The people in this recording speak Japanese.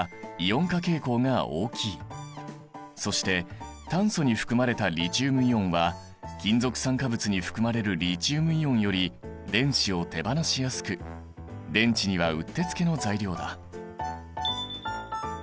まずそして炭素に含まれたリチウムイオンは金属酸化物に含まれるリチウムイオンより電子を手放しやすく電池にはうってつけの材料だ。